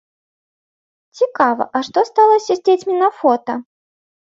Цікава, а што сталася з дзецьмі на фота?